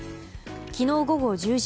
昨日午後１０時